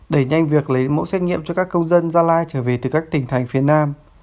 đẩy nhanh việc lấy mẫu xét nghiệm cho các công dân gia lai trở về từ các tỉnh thành phía nam